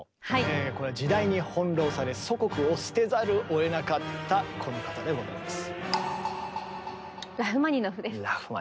これは時代に翻弄され祖国を捨てざるをえなかったこの方でございます。